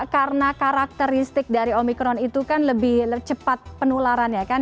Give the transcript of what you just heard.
karena karakteristik dari omikron itu kan lebih cepat penularan ya kan